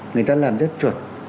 người ta làm rất chuột